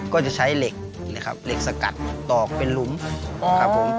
ก็จะใช้เหล็กนะครับเหล็กสกัดตอกเป็นรุ้ม